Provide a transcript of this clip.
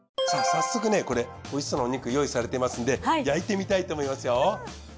さあ早速これおいしそうなお肉用意されていますんで焼いてみたいと思いますよ。